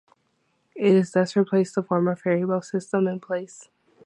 It thus replaced the former ferryboat system in place.